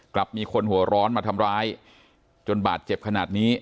กลับมีคนหัวร้อนมาทำร้ายจนบาดเจ็บขนาดนี้